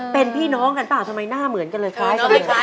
เป็นพี่น้องกันป่ะทำไมหน้าเหมือนกันเลยคล้าย